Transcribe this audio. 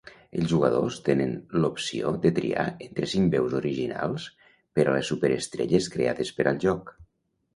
Els jugadors tenen l'opció de triar entre cinc veus originals per a les superestrelles creades per al joc.